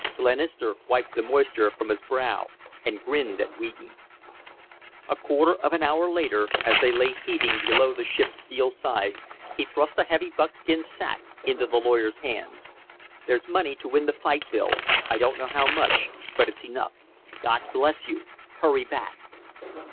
Glenister wiped the moisture from his brow and grinned at Wheaton. A quarter of an hour later, as they lay heaving below the ship's steel sides, he thrust a heavy buckskin sack into the lawyer's hand. "There's money to win the fight, Bill. I don't know how much, but it's enough. God bless you. Hurry back!"